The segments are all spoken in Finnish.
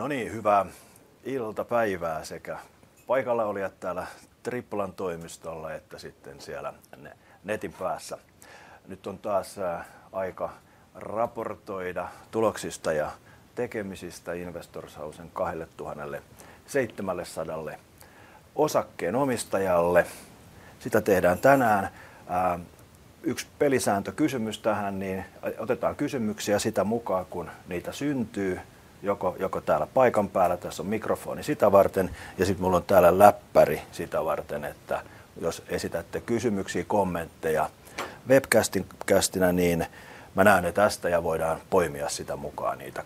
No niin, hyvää iltapäivää sekä paikallaolijat täällä Triplan toimistolla että sitten siellä netin päässä. Nyt on taas aika raportoida tuloksista ja tekemisistä Investors Housen 2,700 osakkeenomistajalle. Sitä tehdään tänään. Yksi pelisääntökysymys tähän: otetaan kysymyksiä sitä mukaa kun niitä syntyy, joko täällä paikan päällä, tässä on mikrofoni sitä varten, ja sitten minulla on täällä läppäri sitä varten, että jos esitätte kysymyksiä, kommentteja webcastina, näen ne tästä ja voidaan poimia sitä mukaan niitä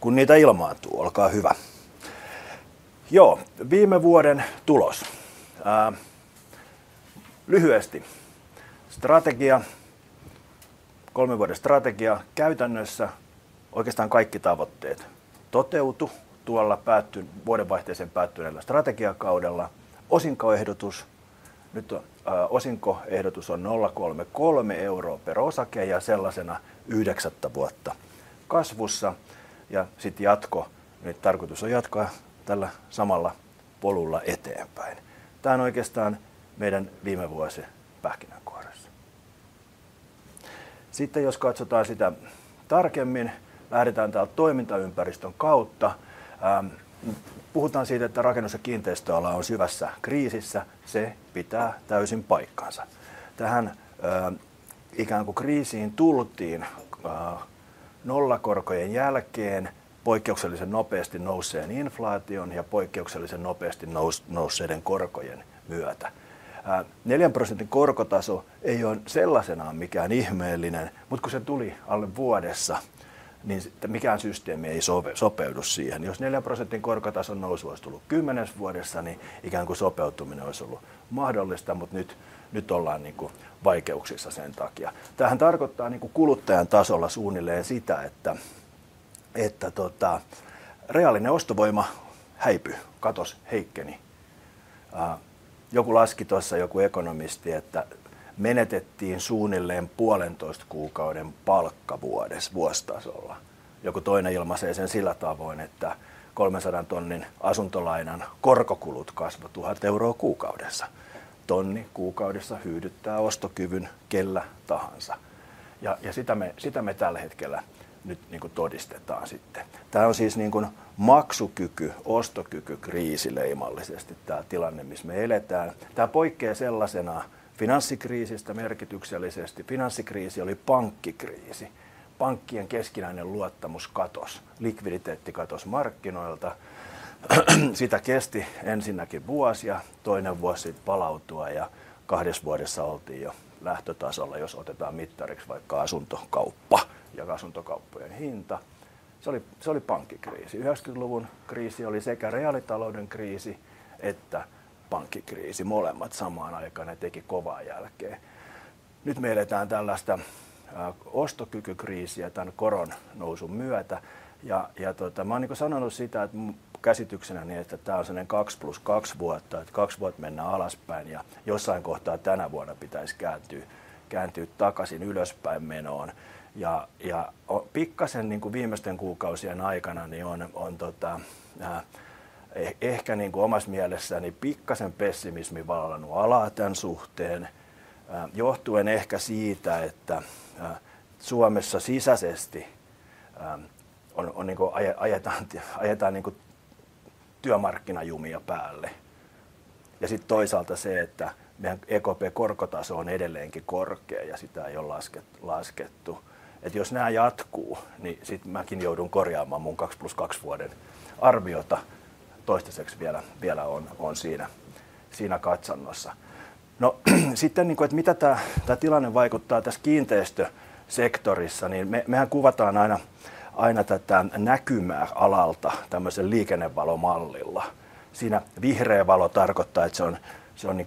kun niitä ilmaantuu. Olkaa hyvä. Viime vuoden tulos. Lyhyesti: kolmen vuoden strategia. Käytännössä oikeastaan kaikki tavoitteet toteutuivat tuolla vuodenvaihteeseen päättyneellä strategiakaudella. Osinkoehdotus: nyt osinkoehdotus on €0.33 per osake ja sellaisena yhdeksättä vuotta kasvussa. Sitten jatko: nyt tarkoitus on jatkaa tällä samalla polulla eteenpäin. Tämä on oikeastaan meidän viime vuosi pähkinänkuoressa. Sitten jos katsotaan sitä tarkemmin, lähdetään täältä toimintaympäristön kautta. Puhutaan siitä, että rakennus- ja kiinteistöala on syvässä kriisissä. Se pitää täysin paikkansa. Tähän ikään kuin kriisiin tultiin nollakorkojen jälkeen, poikkeuksellisen nopeasti nousseen inflaation ja poikkeuksellisen nopeasti nousseiden korkojen myötä. 4%:n korkotaso ei ole sellaisenaan mikään ihmeellinen, mutta kun se tuli alle vuodessa, niin mikään systeemi ei sopeudu siihen. Jos 4%:n korkotason nousu olisi tullut kymmenessä vuodessa, niin ikään kuin sopeutuminen olisi ollut mahdollista, mutta nyt ollaan vaikeuksissa sen takia. Tämähän tarkoittaa kuluttajan tasolla suunnilleen sitä, että reaalinen ostovoima häipyi, katosi ja heikkeni. Joku laski tuossa, joku ekonomisti, että menetettiin suunnilleen puolentoista kuukauden palkka vuodessa vuositasolla. Joku toinen ilmaisee sen sillä tavoin, että €300 000 asuntolainan korkokulut kasvoivat €1 000 kuukaudessa. Tonni kuukaudessa hyydyttää ostokyvyn kellä tahansa. Sitä me tällä hetkellä nyt todistetaan sitten. Tämä on siis maksukyky-ostokykykriisi leimallisesti tämä tilanne, missä me eletään. Tämä poikkeaa sellaisenaan finanssikriisistä merkityksellisesti. Finanssikriisi oli pankkikriisi. Pankkien keskinäinen luottamus katosi, likviditeetti katosi markkinoilta. Sitä kesti ensinnäkin vuosi ja toinen vuosi sitten palautua, ja kahdessa vuodessa oltiin jo lähtötasolla, jos otetaan mittariksi vaikka asuntokauppa ja asuntokauppojen hinta. Se oli pankkikriisi. 90-luvun kriisi oli sekä reaalitalouden kriisi että pankkikriisi. Molemmat samaan aikaan ja teki kovaa jälkeä. Nyt me eletään tällaista ostokykykriisiä tämän koron nousun myötä. Mä olen sanonut sitä, että mun käsityksenäni on, että tämä on semmoinen 2 + 2 vuotta, että kaksi vuotta mennään alaspäin ja jossain kohtaa tänä vuonna pitäisi kääntyä takaisin ylöspäin menoon. Pikkaisen viimeisten kuukausien aikana on ehkä omassa mielessäni pikkaisen pessimismi vallannut alaa tämän suhteen, johtuen ehkä siitä, että Suomessa sisäisesti ajetaan työmarkkinajumia päälle. Sitten toisaalta se, että meidän EKP:n korkotaso on edelleenkin korkea ja sitä ei ole laskettu. Jos nämä jatkuvat, niin sitten mäkin joudun korjaamaan mun 2 + 2 vuoden arviota. Toistaiseksi vielä olen siinä katsannossa. Niin sitten, että mitä tämä tilanne vaikuttaa tässä kiinteistösektorissa, niin me kuvataan aina tätä näkymää alalta tämmöisellä liikennevalomallilla. Siinä vihreä valo tarkoittaa, että se on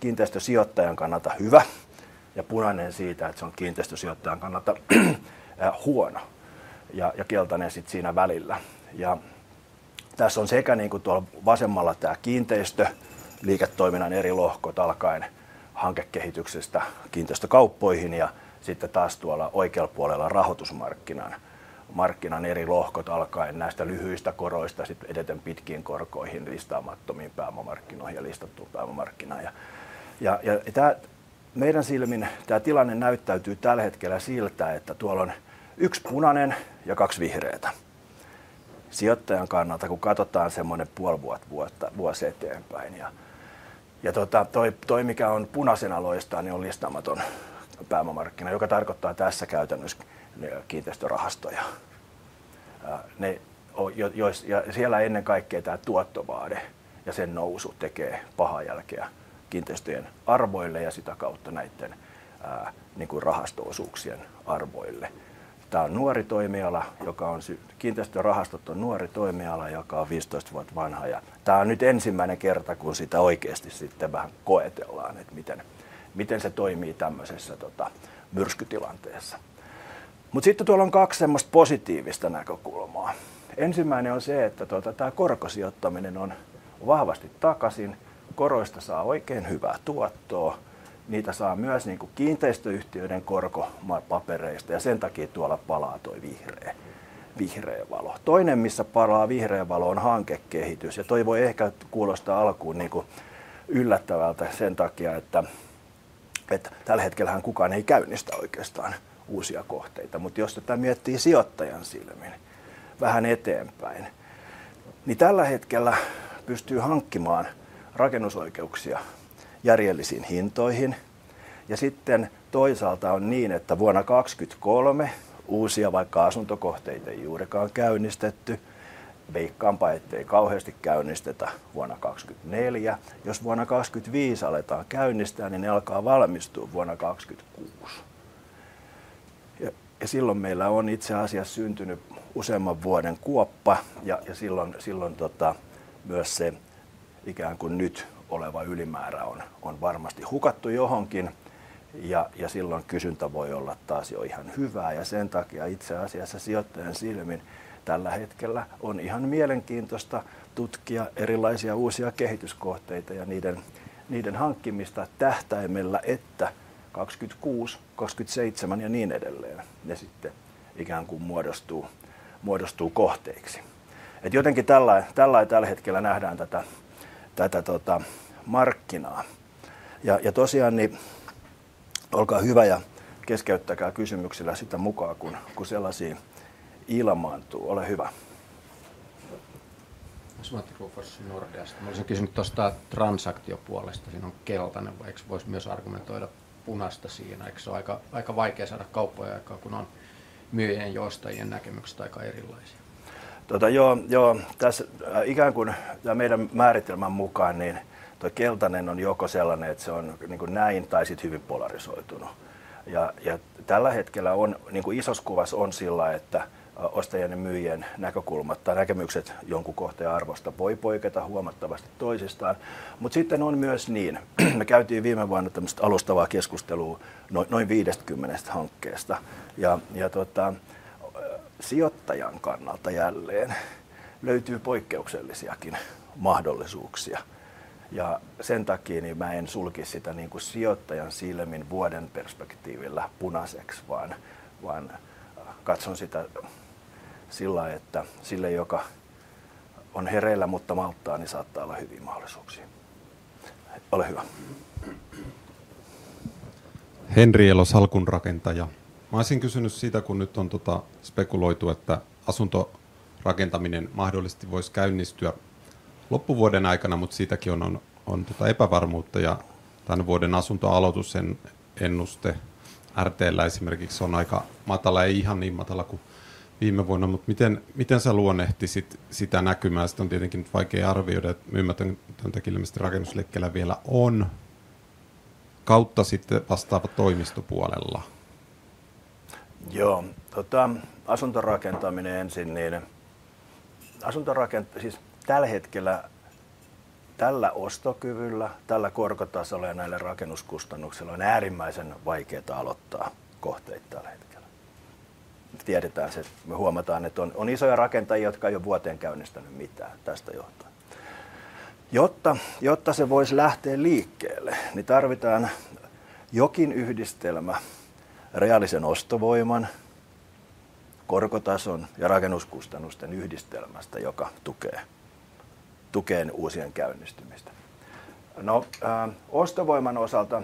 kiinteistösijoittajan kannalta hyvä, ja punainen sitä, että se on kiinteistösijoittajan kannalta huono, ja keltainen sitten siinä välillä. Ja tässä on sekä tuolla vasemmalla tämä kiinteistöliiketoiminnan eri lohkot alkaen hankekehityksestä kiinteistökauppoihin, ja sitten taas tuolla oikealla puolella rahoitusmarkkinan eri lohkot alkaen näistä lyhyistä koroista sitten edeten pitkiin korkoihin, listaamattomiin pääomamarkkinoihin ja listattuun pääomamarkkinaan. Ja tämä meidän silmin tämä tilanne näyttäytyy tällä hetkellä siltä, että tuolla on yksi punainen ja kaksi vihreää sijoittajan kannalta, kun katsotaan semmoinen puoli vuotta vuosi eteenpäin. Ja tuo mikä on punaisena loistaa, niin on listaamaton pääomamarkkina, joka tarkoittaa tässä käytännössä kiinteistörahastoja. Ja siellä ennen kaikkea tämä tuottovaade ja sen nousu tekee pahaa jälkeä kiinteistöjen arvoille ja sitä kautta näiden rahasto-osuuksien arvoille. Tämä on nuori toimiala, joka on kiinteistörahastot on nuori toimiala, joka on 15 vuotta vanha. Tämä on nyt ensimmäinen kerta, kun sitä oikeasti sitten vähän koetellaan, että miten se toimii tämmöisessä myrskytilanteessa. Mutta sitten tuolla on kaksi semmoista positiivista näkökulmaa. Ensimmäinen on se, että tämä korkosijoittaminen on vahvasti takaisin. Koroista saa oikein hyvää tuottoa. Niitä saa myös kiinteistöyhtiöiden korkopapereista, ja sen takia tuolla palaa tuo vihreä valo. Toinen missä palaa vihreä valo on hankekehitys. Tuo voi ehkä kuulostaa alkuun yllättävältä sen takia, että tällä hetkellähän kukaan ei käynnistä oikeastaan uusia kohteita. Mutta jos tätä miettii sijoittajan silmin vähän eteenpäin, niin tällä hetkellä pystyy hankkimaan rakennusoikeuksia järjellisiin hintoihin. Sitten toisaalta on niin, että vuonna 2023 uusia vaikka asuntokohteita ei juurikaan käynnistetty. Veikkaanpa, ettei kauheasti käynnistetä vuonna 2024. Jos vuonna 2025 aletaan käynnistää, niin ne alkaa valmistua vuonna 2026. Ja silloin meillä on itse asiassa syntynyt useamman vuoden kuoppa, ja silloin myös se ikään kuin nyt oleva ylimäärä on varmasti hukattu johonkin. Silloin kysyntä voi olla taas jo ihan hyvää. Sen takia itse asiassa sijoittajan silmin tällä hetkellä on ihan mielenkiintoista tutkia erilaisia uusia kehityskohteita ja niiden hankkimista tähtäimellä, että 2026, 2027 ja niin edelleen ne sitten ikään kuin muodostuvat kohteiksi. Jotenkin tällä tavalla tällä hetkellä nähdään tätä markkinaa. Tosiaan niin olkaa hyvä ja keskeyttäkää kysymyksillä sitä mukaa kun sellaisia ilmaantuu. Ole hyvä. Jos Matti Koforssi Nordeasta. Mä olisin kysynyt tuosta transaktiopuolesta. Siinä on keltainen, vai eikö voisi myös argumentoida punaista siinä? Eikö se ole aika vaikea saada kauppoja aikaan, kun on myyjien ja ostajien näkemykset aika erilaisia? Tota joo, joo. Tässä ikään kuin tämän meidän määritelmän mukaan niin tuo keltainen on joko sellainen, että se on näin tai sitten hyvin polarisoitunut. Ja tällä hetkellä on isossa kuvassa sillä tavalla, että ostajien ja myyjien näkökulmat tai näkemykset jonkun kohteen arvosta voi poiketa huomattavasti toisistaan. Mutta sitten on myös niin. Me käytiin viime vuonna tämmöistä alustavaa keskustelua noin 50 hankkeesta. Ja sijoittajan kannalta jälleen löytyy poikkeuksellisiakin mahdollisuuksia. Ja sen takia niin mä en sulkea sitä sijoittajan silmin vuoden perspektiivillä punaiseksi, vaan katson sitä sillä tavalla, että sille joka on hereillä, mutta malttaa, niin saattaa olla hyviä mahdollisuuksia. Ole hyvä. Henri Elos, Halkun Rakentaja. Mä olisin kysynyt siitä, kun nyt on spekuloitu, että asuntorakentaminen mahdollisesti voisi käynnistyä loppuvuoden aikana, mutta siitäkin on epävarmuutta. Ja tämän vuoden asuntoaloituksen ennuste RT:llä esimerkiksi on aika matala, ei ihan niin matala kuin viime vuonna. Mutta miten sä luonnehtisit sitä näkymää? Sitä on tietenkin nyt vaikea arvioida, että myymätöntäkin ilmeisesti rakennusleikkelää vielä on. Kautta sitten vastaava toimistopuolella? Joo, tota asuntorakentaminen ensin. Siis tällä hetkellä tällä ostokyvyllä, tällä korkotasolla ja näillä rakennuskustannuksilla on äärimmäisen vaikeaa aloittaa kohteita tällä hetkellä. Me tiedetään se, että me huomataan, että on isoja rakentajia, jotka ei ole vuoteen käynnistänyt mitään tästä johtuen. Jotta se voisi lähteä liikkeelle, niin tarvitaan jokin yhdistelmä reaalisen ostovoiman, korkotason ja rakennuskustannusten yhdistelmästä, joka tukee uusien käynnistymistä. Ostovoiman osalta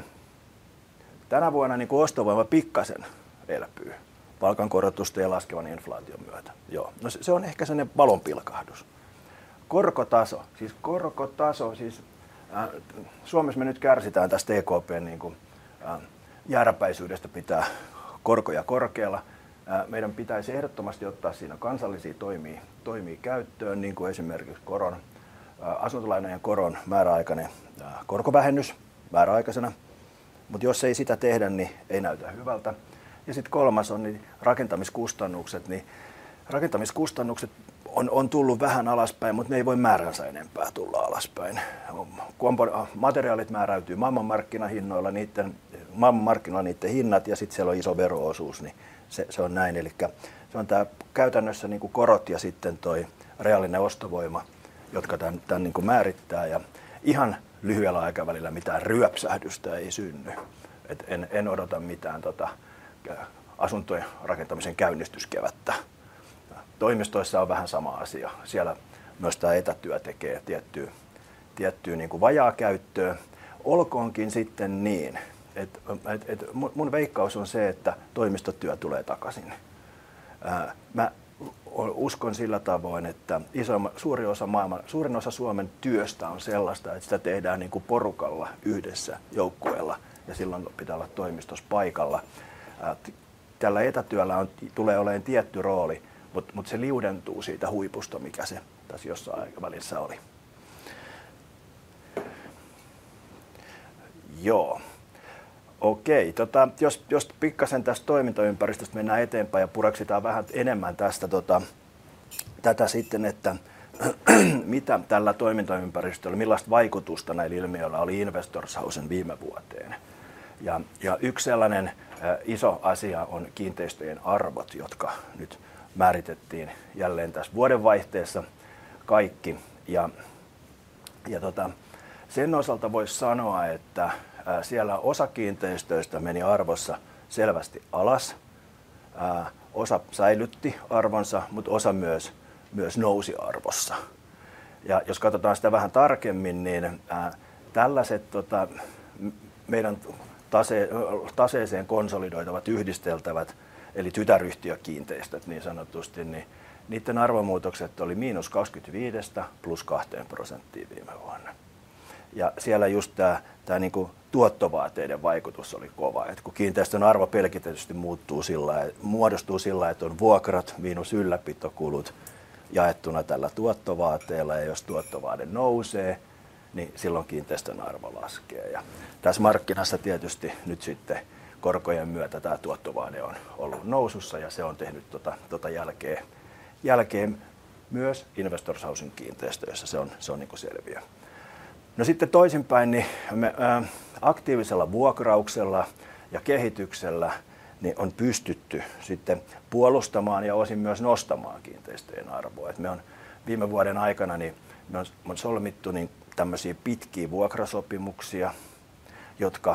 tänä vuonna ostovoima pikkaisen elpyy palkankorotusten ja laskevan inflaation myötä. Se on ehkä semmoinen valonpilkahdus. Korkotaso, siis korkotaso. Siis Suomessa me nyt kärsitään tästä EKP:n jääräpäisyydestä pitää korkoja korkealla. Meidän pitäisi ehdottomasti ottaa siinä kansallisia toimia käyttöön, niin kuin esimerkiksi asuntolainojen koron määräaikainen korkovähennys määräaikaisena. Mutta jos ei sitä tehdä, niin ei näytä hyvältä. Ja sitten kolmas on rakentamiskustannukset. Rakentamiskustannukset on tullut vähän alaspäin, mutta ne ei voi määränsä enempää tulla alaspäin. Materiaalit määräytyvät maailmanmarkkinahinnoilla, niiden maailmanmarkkinoilla niiden hinnat ja sitten siellä on iso vero-osuus. Se on näin. Se on tämä käytännössä korot ja sitten tuo reaalinen ostovoima, jotka tämän määrittää. Ihan lyhyellä aikavälillä mitään ryöpsähdystä ei synny. En odota mitään asuntojen rakentamisen käynnistyskevättä. Toimistoissa on vähän sama asia. Siellä myös tämä etätyö tekee tiettyä vajaakäyttöä. Olkoonkin sitten niin, että minun veikkaus on se, että toimistotyö tulee takaisin. Uskon sillä tavoin, että suuri osa maailman, suurin osa Suomen työstä on sellaista, että sitä tehdään porukalla, yhdessä, joukkueella ja silloin pitää olla toimistossa paikalla. Tällä etätyöllä tulee olemaan tietty rooli, mutta se liudentuu siitä huipusta, mikä se tässä jossain aikavälissä oli. Jos pikkaisen tästä toimintaympäristöstä mennään eteenpäin ja pureksitaan vähän enemmän tätä sitten, että mitä tällä toimintaympäristöllä, millaista vaikutusta näillä ilmiöillä oli Investors Housen viime vuoteen. Ja yksi sellainen iso asia on kiinteistöjen arvot, jotka nyt määritettiin jälleen tässä vuodenvaihteessa kaikki. Sen osalta voisi sanoa, että siellä osa kiinteistöistä meni arvossa selvästi alas. Osa säilytti arvonsa, mutta osa myös nousi arvossa. Jos katsotaan sitä vähän tarkemmin, niin tällaiset meidän taseeseen konsolidoitavat, yhdisteltävät eli tytäryhtiökiinteistöt niin sanotusti, niin niiden arvomuutokset oli miinus 25% plus 2% viime vuonna. Siellä just tämä tuottovaateiden vaikutus oli kova. Kun kiinteistön arvo pelkistetysti muuttuu sillä tavalla, että muodostuu sillä tavalla, että on vuokrat miinus ylläpitokulut jaettuna tällä tuottovaateella. Jos tuottovaate nousee, niin silloin kiinteistön arvo laskee. Tässä markkinassa tietysti nyt sitten korkojen myötä tämä tuottovaate on ollut nousussa ja se on tehnyt tuota jälkeä myös Investors Housen kiinteistöissä. Se on selviä. Sitten toisinpäin, niin me aktiivisella vuokrauksella ja kehityksellä niin on pystytty sitten puolustamaan ja osin myös nostamaan kiinteistöjen arvoa. Me olemme viime vuoden aikana solmineet tällaisia pitkiä vuokrasopimuksia, jotka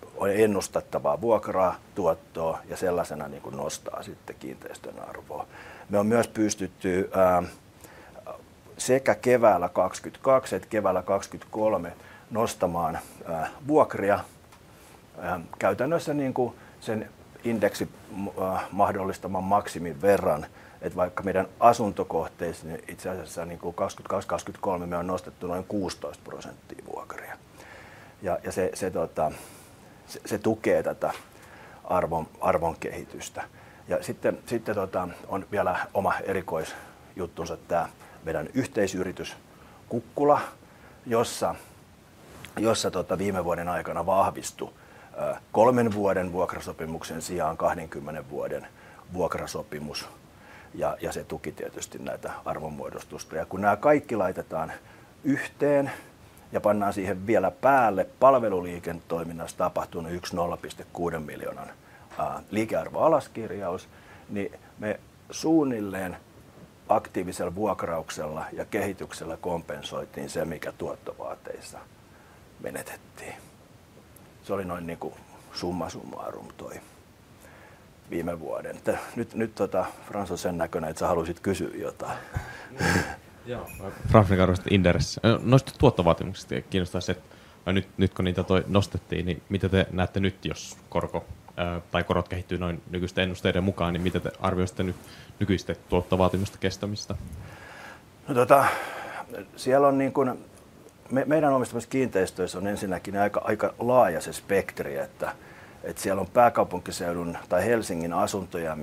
tuottavat ennustettavaa vuokraa, tuottoa ja sellaisena nostavat sitten kiinteistön arvoa. Olemme myös pystyneet sekä keväällä 2022 että keväällä 2023 nostamaan vuokria käytännössä sen indeksin mahdollistaman maksimin verran. Vaikka meidän asuntokohteissa itse asiassa 2022-2023 olemme nostaneet noin 16% vuokria. Se tukee tätä arvon kehitystä. Sitten on vielä oma erikoisjuttunsa tämä meidän yhteisyritys Kukkula, jossa viime vuoden aikana vahvistui kolmen vuoden vuokrasopimuksen sijaan 20 vuoden vuokrasopimus. Se tuki tietysti näitä arvonmuodostusta. Kun nämä kaikki laitetaan yhteen ja pannaan siihen vielä päälle palveluliiketoiminnassa tapahtunut €10,6 miljoonan liikearvoalaskirjaus, niin me suunnilleen aktiivisella vuokrauksella ja kehityksellä kompensoimme sen, mikä tuottovaateissa menetettiin. Se oli noin summa summarum tuo viime vuoden. Nyt Frans on sen näköinen, että sinä haluaisit kysyä jotain. Joo, Frans Mika Arvosta Inderessä. Noista tuottovaatimuksista kiinnostaisi se, että nyt kun niitä tuotiin nostettiin, niin mitä te näette nyt, jos korko tai korot kehittyy noin nykyisten ennusteiden mukaan, niin mitä te arvioisitte nyt nykyisten tuottovaatimusten kestämistä? No tota siellä on niin kun meidän omistamissa kiinteistöissä on ensinnäkin aika laaja se spektri, että siellä on pääkaupunkiseudun tai Helsingin asuntoja,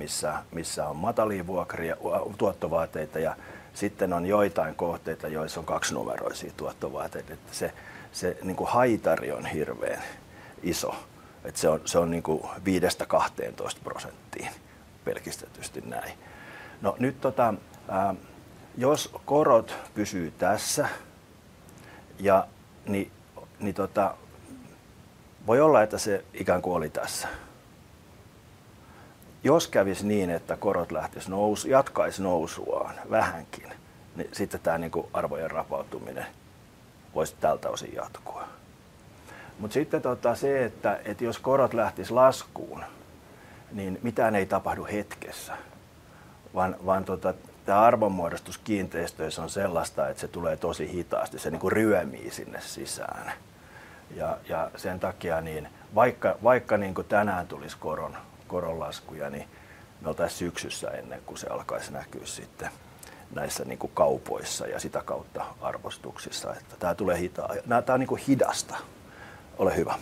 missä on matalia vuokria, tuottovaateita. Ja sitten on joitain kohteita, joissa on kaksinumeroisia tuottovaateita. Että se haitari on hirveän iso. Että se on 5%:sta 12%:iin pelkistetysti näin. Jos korot pysyy tässä, ja niin voi olla, että se ikään kuin oli tässä. Jos kävisi niin, että korot lähtisi nousuun, jatkaisi nousuaan vähänkin, niin sitten tämä arvojen rapautuminen voisi tältä osin jatkua. Mutta sitten se, että jos korot lähtisi laskuun, niin mitään ei tapahdu hetkessä. Vaan tämä arvonmuodostus kiinteistöissä on sellaista, että se tulee tosi hitaasti. Se ryömii sinne sisään. Ja sen takia niin vaikka tänään tulisi koronlaskuja, niin me oltaisiin syksyssä ennen kuin se alkaisi näkyä sitten näissä kaupoissa ja sitä kautta arvostuksissa. Että tämä tulee hitaasti. Tämä on niinku hidasta. Ole hyvä.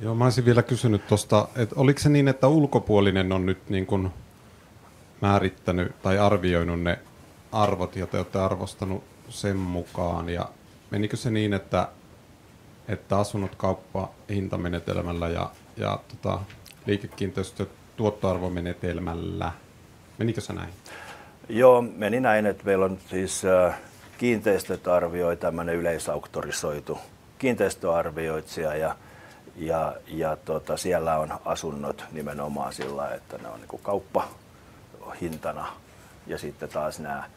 Joo, mä olisin vielä kysynyt tuosta, että oliko se niin, että ulkopuolinen on nyt niin kun määrittänyt tai arvioinut ne arvot ja te olette arvostanut sen mukaan? Ja menikö se niin, että asunnot kauppahintamenetelmällä ja liikekiinteistöt tuottoarvomenetelmällä? Menikö se näin? Joo, meni näin, että meillä on siis kiinteistöt arvioi tämmöinen yleisauktorisoitu kiinteistöarvioitsija. Ja siellä on asunnot nimenomaan sillä tavalla, että ne on kauppahintana. Ja sitten taas nämä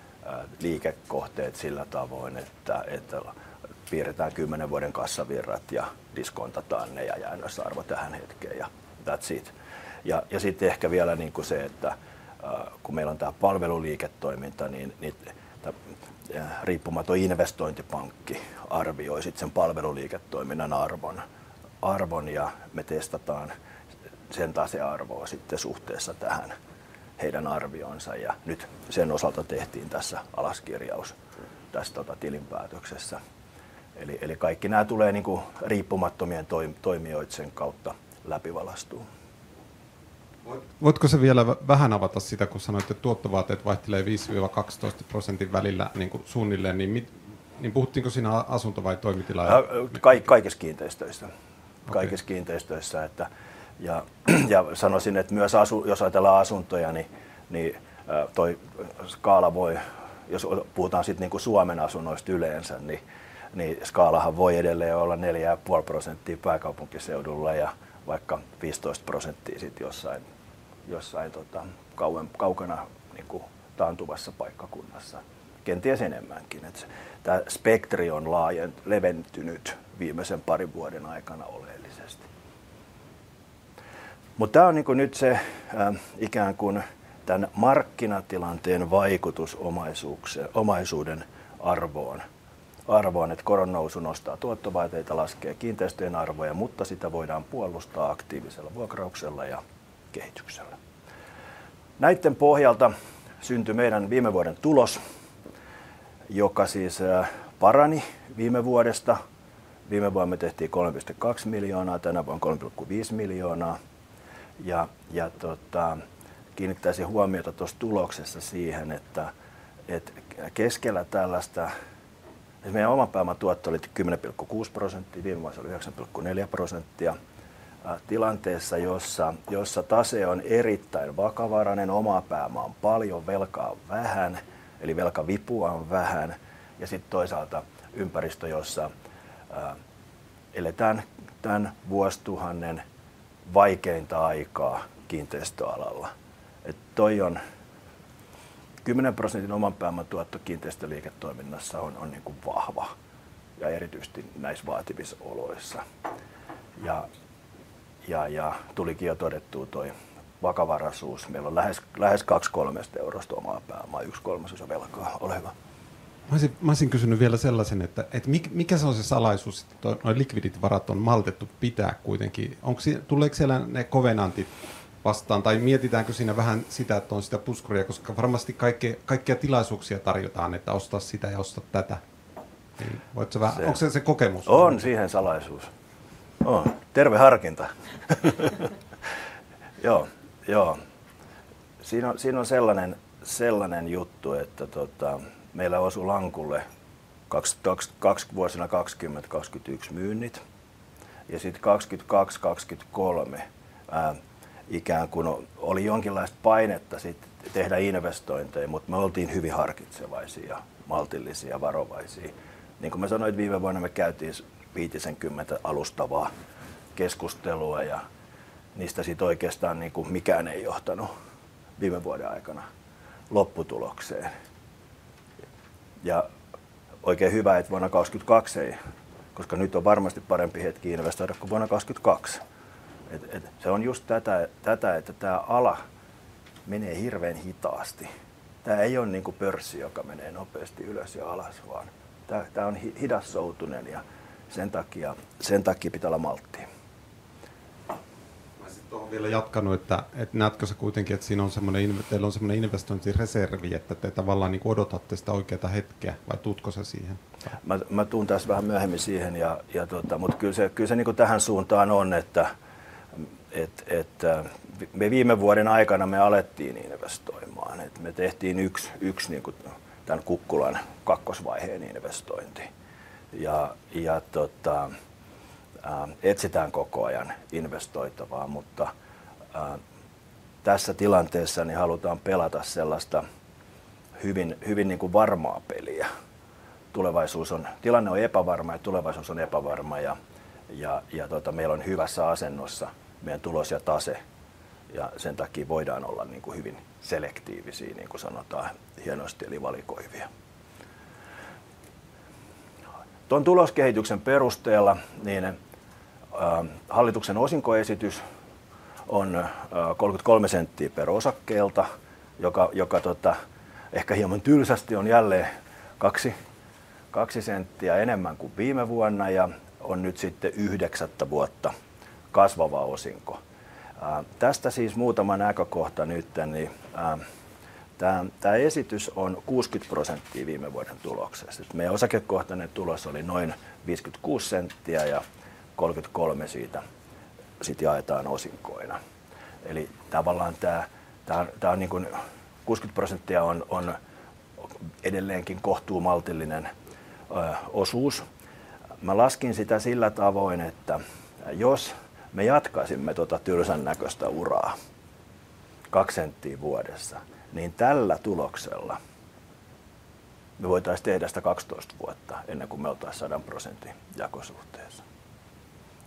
liikekohteet sillä tavoin, että piirretään kymmenen vuoden kassavirrat ja diskontataan ne ja jäädään se arvo tähän hetkeen and that's it. Ja sitten ehkä vielä se, että kun meillä on tämä palveluliiketoiminta, niin riippumaton investointipankki arvioi sitten sen palveluliiketoiminnan arvon. Ja me testataan sen tasearvoa sitten suhteessa tähän heidän arvioonsa. Ja nyt sen osalta tehtiin tässä alaskirjaus tässä tilinpäätöksessä. Eli kaikki nämä tulee riippumattomien toimijoiden kautta läpivalastuun. Voitko sä vielä vähän avata sitä, kun sanoit, että tuottovaateet vaihtelee 5-12% välillä suunnilleen? Niin puhuttiinko siinä asunto vai toimitila? Kaikissa kiinteistöissä. Kaikissa kiinteistöissä. Ja sanoisin, että myös jos ajatellaan asuntoja, niin tuo skaala voi, jos puhutaan sitten Suomen asunnoista yleensä, niin skaala voi edelleen olla 4,5% pääkaupunkiseudulla ja vaikka 15% sitten jossain kaukana taantuvassa paikkakunnassa. Kenties enemmänkin. Tämä spektri on leventynyt viimeisen parin vuoden aikana oleellisesti. Mutta tämä on nyt se ikään kuin tämän markkinatilanteen vaikutus omaisuuden arvoon. Koron nousu nostaa tuottovaateita, laskee kiinteistöjen arvoja, mutta sitä voidaan puolustaa aktiivisella vuokrauksella ja kehityksellä. Näiden pohjalta syntyi meidän viime vuoden tulos, joka siis parani viime vuodesta. Viime vuonna me tehtiin €3,2 miljoonaa, tänä vuonna €3,5 miljoonaa. Kiinnittäisin huomiota tuossa tuloksessa siihen, että keskellä tällaista, meidän oma pääomatuotto oli 10,6%, viime vuonna se oli 9,4%. Tilanteessa, jossa tase on erittäin vakavarainen, omaa pääomaa on paljon, velkaa on vähän, eli velkavipua on vähän. Ja sitten toisaalta ympäristö, jossa eletään tämän vuosituhannen vaikeinta aikaa kiinteistöalalla. Tuo on 10% oman pääoman tuotto kiinteistöliiketoiminnassa on vahva. Ja erityisesti näissä vaativissa oloissa. Ja tulikin jo todettua tuo vakavaraisuus. Meillä on lähes kaksi kolmasosaa eurosta omaa pääomaa, yksi kolmasosa velkaa. Mä olisin kysynyt vielä sellaisen, että mikä se on se salaisuus sitten, että nuo likvidit varat on maltettu pitää kuitenkin? Onko siinä tuleeko siellä ne kovenantit vastaan tai mietitäänkö siinä vähän sitä, että on sitä puskuria, koska varmasti kaikkia tilaisuuksia tarjotaan, että osta sitä ja osta tätä? Voitko sä vähän, onko se se kokemus? On siihen salaisuus. On terve harkinta. Siinä on sellainen juttu, että meillä osui lankulle vuosina 2020-2021 myynnit. Sitten 2022-2023 ikään kuin oli jonkinlaista painetta tehdä investointeja, mutta me oltiin hyvin harkitsevaisia, maltillisia, varovaisia. Niin kuin mä sanoin, että viime vuonna me käytiin viitisenkymmentä alustavaa keskustelua ja niistä sitten oikeastaan mikään ei johtanut viime vuoden aikana lopputulokseen. Oikein hyvä, että vuonna 2022 ei, koska nyt on varmasti parempi hetki investoida kuin vuonna 2022. Se on just tätä, että tämä ala menee hirveän hitaasti. Tämä ei ole pörssi, joka menee nopeasti ylös ja alas, vaan tämä on hidassautunen ja sen takia pitää olla malttii. Mä olisin tuohon vielä jatkanut, että näetkö sä kuitenkin, että siinä on semmoinen, teillä on semmoinen investointireservi, että te tavallaan odotatte sitä oikeaa hetkeä vai tuutko sä siihen? Mä tuun tässä vähän myöhemmin siihen, mutta kyllä se tähän suuntaan on, että me viime vuoden aikana me alettiin investoimaan. Että me tehtiin yksi tämän Kukkulan kakkosvaiheen investointi. Ja etsitään koko ajan investoitavaa, mutta tässä tilanteessa niin halutaan pelata sellaista hyvin varmaa peliä. Tilanne on epävarma ja tulevaisuus on epävarma ja meillä on hyvässä asennossa meidän tulos ja tase. Sen takia voidaan olla hyvin selektiivisiä, niin kuin sanotaan hienosti, eli valikoivia. Tuon tuloskehityksen perusteella niin hallituksen osinkoesitys on 33 senttiä per osakkeelta, joka ehkä hieman tylsästi on jälleen kaksi senttiä enemmän kuin viime vuonna ja on nyt sitten yhdeksättä vuotta kasvava osinko. Tästä siis muutama näkökohta nyt. Tämä esitys on 60% viime vuoden tuloksesta. Meidän osakekohtainen tulos oli noin 56 senttiä ja 33 siitä sitten jaetaan osinkoina. Eli tavallaan tämä 60% on edelleenkin kohtuu maltillinen osuus. Mä laskin sitä sillä tavoin, että jos me jatkaisimme tuota tylsän näköistä uraa kaksi senttiä vuodessa, niin tällä tuloksella me voitaisiin tehdä sitä 12 vuotta ennen kuin me oltaisiin 100%:n jakosuhteessa.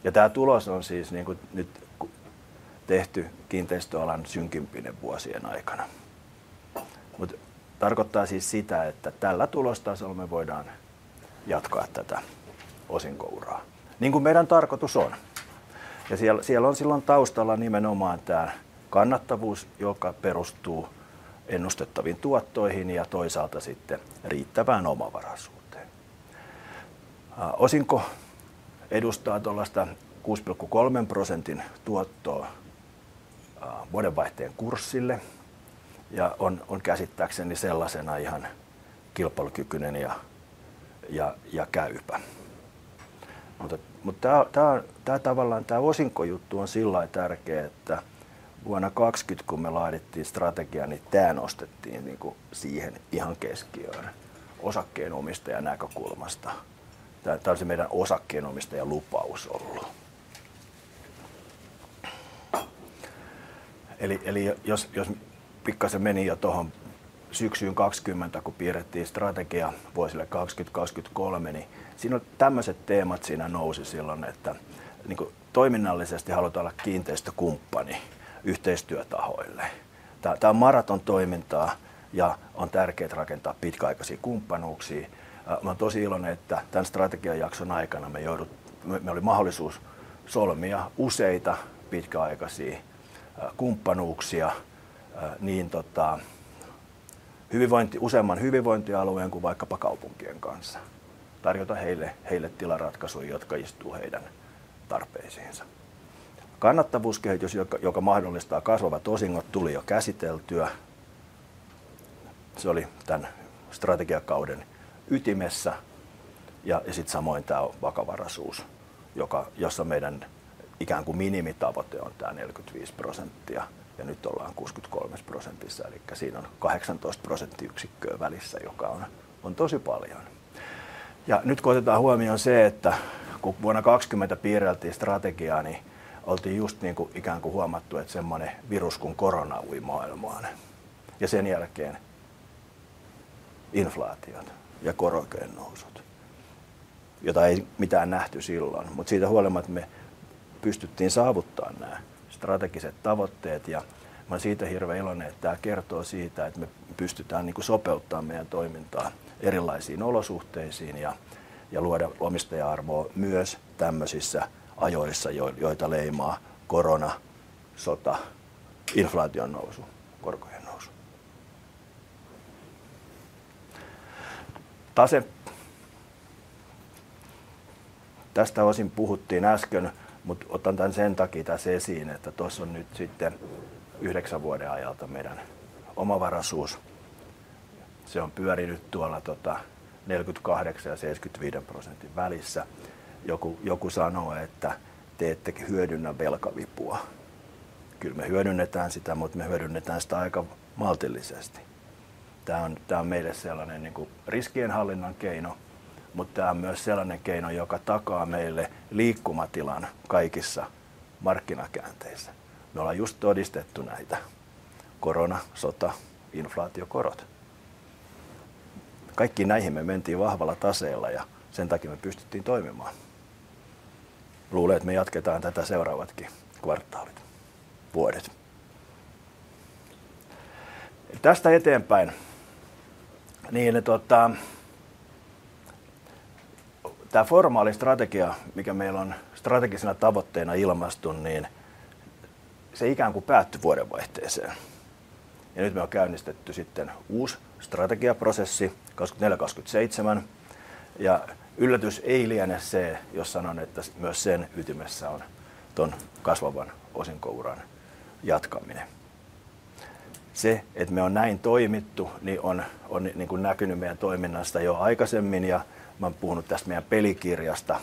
Ja tämä tulos on siis nyt tehty kiinteistöalan synkimpinä vuosien aikana. Mutta tarkoittaa siis sitä, että tällä tulostasolla me voidaan jatkaa tätä osinkouraa, niin kuin meidän tarkoitus on. Ja siellä on silloin taustalla nimenomaan tämä kannattavuus, joka perustuu ennustettaviin tuottoihin ja toisaalta sitten riittävään omavaraisuuteen. Osinko edustaa tuollaista 6,3%:n tuottoa vuodenvaihteen kurssille ja on käsittääkseni sellaisena ihan kilpailukykyinen ja käypä. Mutta tämä osinkojuttu on sillä tavalla tärkeä, että vuonna 2020, kun me laadittiin strategia, niin tämä nostettiin siihen ihan keskiöön osakkeenomistajan näkökulmasta. Tämä oli se meidän osakkeenomistajalupaus. Jos pikkasen menin jo tuohon syksyyn 2020, kun piirrettiin strategia vuosille 2020-2023, niin siinä oli tämmöiset teemat. Siinä nousi silloin, että toiminnallisesti halutaan olla kiinteistökumppani yhteistyötahoille. Tämä on maratontoimintaa ja on tärkeää rakentaa pitkäaikaisia kumppanuuksia. Olen tosi iloinen, että tämän strategiajakson aikana meillä oli mahdollisuus solmia useita pitkäaikaisia kumppanuuksia niin useamman hyvinvointialueen kuin vaikkapa kaupunkien kanssa. Tarjota heille tilaratkaisuja, jotka istuu heidän tarpeisiinsa. Kannattavuuskehitys, joka mahdollistaa kasvavat osingot, tuli jo käsiteltyä. Se oli tämän strategiakauden ytimessä. Ja sitten samoin tämä vakavaraisuus, jossa meidän minimitavoite on tämä 45%. Ja nyt ollaan 63%:ssa. Siinä on 18 prosenttiyksikköä välissä, joka on tosi paljon. Ja nyt kun otetaan huomioon se, että kun vuonna 2020 piirreltiin strategiaa, niin oltiin just huomattu, että semmoinen virus kuin korona ui maailmaan. Ja sen jälkeen inflaatiot ja korojen nousut, jota ei mitään nähty silloin. Mutta siitä huolimatta me pystyttiin saavuttamaan nämä strategiset tavoitteet. Ja mä olen siitä hirveän iloinen, että tämä kertoo siitä, että me pystytään sopeuttamaan meidän toimintaa erilaisiin olosuhteisiin ja luoda omistaja-arvoa myös tämmöisissä ajoissa, joita leimaa korona, sota, inflaation nousu, korkojen nousu. Tase. Tästä osin puhuttiin äsken, mutta otan tämän sen takia tässä esiin, että tuossa on nyt sitten yhdeksän vuoden ajalta meidän omavaraisuus. Se on pyörinyt tuolla 48% ja 75% välissä. Joku sanoo, että te ettekö hyödynnä velkavipua. Kyllä me hyödynnetään sitä, mutta me hyödynnetään sitä aika maltillisesti. Tämä on meille sellainen riskienhallinnan keino, mutta tämä on myös sellainen keino, joka takaa meille liikkumatilan kaikissa markkinakäänteissä. Me ollaan just todistettu näitä. Korona, sota, inflaatiokorot. Kaikkiin näihin me mentiin vahvalla taseella ja sen takia me pystyttiin toimimaan. Luulen, että me jatketaan tätä seuraavat kvartaalit, vuodet. Tästä eteenpäin. Niin tämä formaali strategia, mikä meillä on strategisena tavoitteena ilmaistu, niin se ikään kuin päättyi vuodenvaihteeseen. Ja nyt me on käynnistetty sitten uusi strategiaprosessi 2024-2027. Yllätys ei liene se, jos sanon, että myös sen ytimessä on tuon kasvavan osingon jatkaminen. Se, että me on näin toimittu, niin on näkynyt meidän toiminnasta jo aikaisemmin. Mä olen puhunut tästä meidän pelikirjasta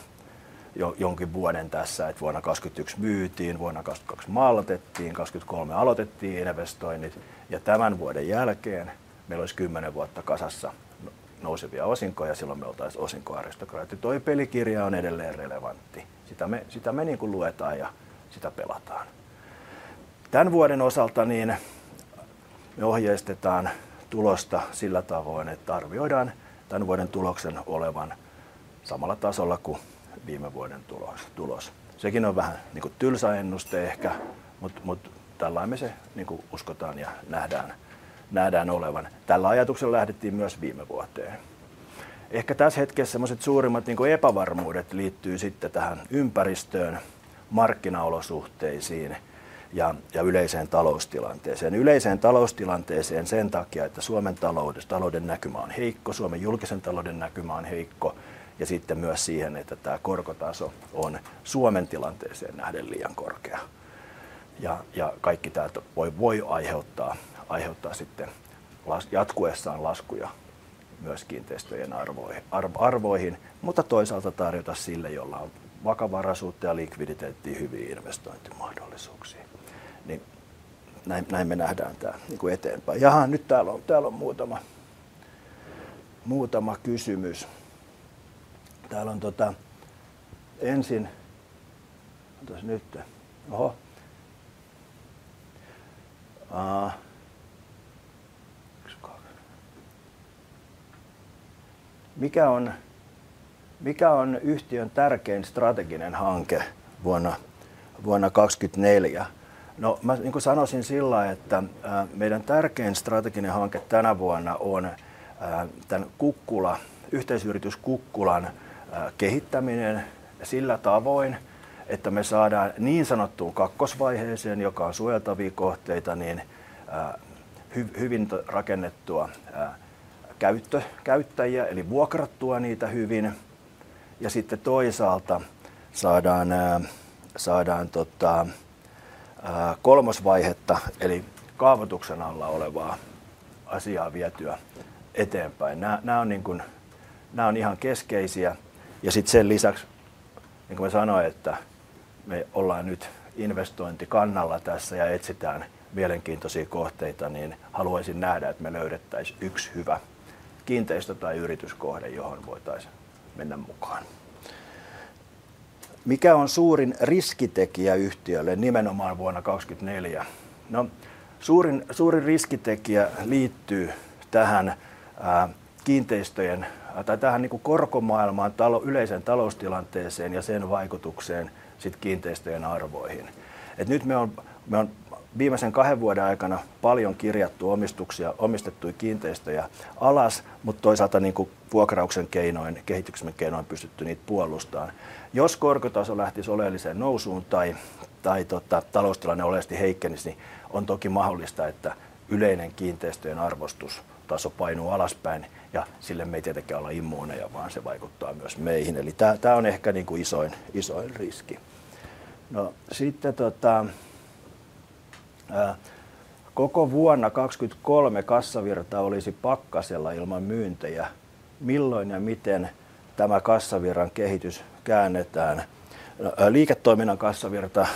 jo jonkin vuoden tässä, että vuonna 2021 myytiin, vuonna 2022 maltettiin, 2023 aloitettiin investoinnit. Tämän vuoden jälkeen meillä olisi kymmenen vuotta kasassa nousevia osinkoja ja silloin me oltaisiin osinkoaristokraatti. Tuo pelikirja on edelleen relevantti. Sitä me luetaan ja sitä pelataan. Tämän vuoden osalta niin me ohjeistetaan tulosta sillä tavoin, että arvioidaan tämän vuoden tuloksen olevan samalla tasolla kuin viime vuoden tulos. Sekin on vähän tylsä ennuste ehkä, mutta tällä tavalla me se uskotaan ja nähdään olevan. Tällä ajatuksella lähdettiin myös viime vuoteen. Ehkä tässä hetkessä semmoiset suurimmat epävarmuudet liittyy sitten tähän ympäristöön, markkinaolosuhteisiin ja yleiseen taloustilanteeseen. Yleiseen taloustilanteeseen sen takia, että Suomen talouden näkymä on heikko, Suomen julkisen talouden näkymä on heikko. Ja sitten myös siihen, että tämä korkotaso on Suomen tilanteeseen nähden liian korkea. Ja kaikki tämä voi aiheuttaa sitten jatkuessaan laskuja myös kiinteistöjen arvoihin. Mutta toisaalta tarjota sille, jolla on vakavaraisuutta ja likviditeettiä, hyviä investointimahdollisuuksia. Näin me nähdään tämä eteenpäin. Täällä on muutama kysymys. Täällä on ensin, mikä on yhtiön tärkein strateginen hanke vuonna 2024? Mä sanoisin sillä tavalla, että meidän tärkein strateginen hanke tänä vuonna on tämän yhteisyritys Kukkulan kehittäminen sillä tavoin, että me saadaan niin sanottuun kakkosvaiheeseen, joka on suojeltavia kohteita, hyvin rakennettua käyttöä eli vuokrattua niitä hyvin. Ja sitten toisaalta saadaan kolmosvaihetta eli kaavoituksen alla olevaa asiaa vietyä eteenpäin. Nämä on keskeisiä. Ja sitten sen lisäksi, niin kuin mä sanoin, että me ollaan nyt investointikannalla tässä ja etsitään mielenkiintoisia kohteita, niin haluaisin nähdä, että me löydettäisiin yksi hyvä kiinteistö tai yrityskohde, johon voitaisiin mennä mukaan. Mikä on suurin riskitekijä yhtiölle nimenomaan vuonna 2024? Suurin riskitekijä liittyy tähän kiinteistöjen tai tähän korkomaailmaan, yleiseen taloustilanteeseen ja sen vaikutukseen sitten kiinteistöjen arvoihin. Nyt me on viimeisen kahden vuoden aikana paljon kirjattu omistettuja kiinteistöjä alas, mutta toisaalta vuokrauksen keinoin, kehityksen keinoin pystytty niitä puolustamaan. Jos korkotaso lähtisi oleelliseen nousuun tai taloustilanne oleellisesti heikkenisi, niin on toki mahdollista, että yleinen kiinteistöjen arvostustaso painuu alaspäin. Sille me ei tietenkään olla immuuneja, vaan se vaikuttaa myös meihin. Tämä on ehkä isoin riski. Sitten koko vuonna 2023 kassavirta olisi pakkasella ilman myyntejä. Milloin ja miten tämä kassavirran kehitys käännetään? Liiketoiminnan kassavirta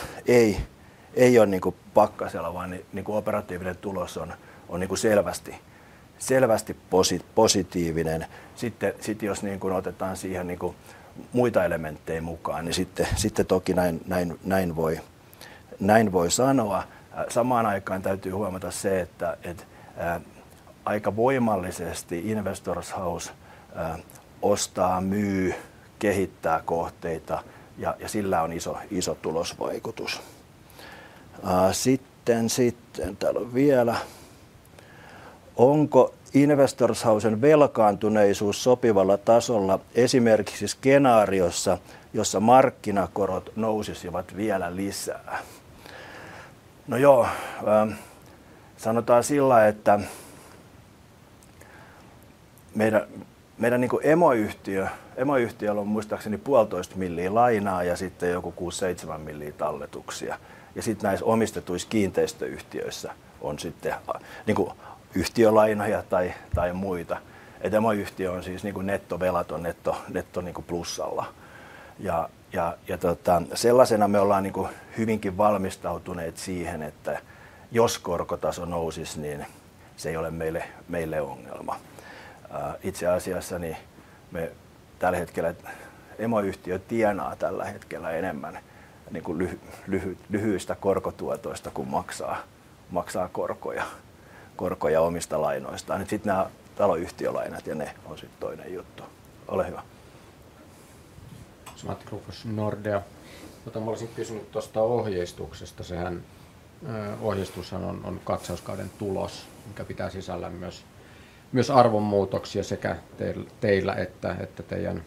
ei ole pakkasella, vaan operatiivinen tulos on selvästi positiivinen. Jos otetaan siihen muita elementtejä mukaan, niin toki näin voi sanoa. Samaan aikaan täytyy huomata se, että aika voimallisesti Investors House ostaa, myy, kehittää kohteita ja sillä on iso tulosvaikutus. Onko Investors Housen velkaantuneisuus sopivalla tasolla esimerkiksi skenaariossa, jossa markkinakorot nousisivat vielä lisää? Sanotaan sillä tavalla, että meidän emoyhtiöllä on muistaakseni puolitoista miljoonaa euroa lainaa ja sitten kuusi-seitsemän miljoonaa euroa talletuksia. Näissä omistetuissa kiinteistöyhtiöissä on sitten yhtiölainoja tai muita. Emoyhtiö on siis nettovelaton, nettoplussalla. Sellaisena me ollaan hyvinkin valmistautuneet siihen, että jos korkotaso nousisi, niin se ei ole meille ongelma. Itse asiassa me tällä hetkellä emoyhtiö tienaa tällä hetkellä enemmän lyhyistä korkotuotoista kuin maksaa korkoja omista lainoistaan. Sitten nämä taloyhtiölainat ovat toinen juttu. Ole hyvä. Matti Krufus, Nordea. Olisin kysynyt tuosta ohjeistuksesta. Ohjeistus on katsauskauden tulos, mikä pitää sisällään myös arvonmuutoksia sekä teillä että teidän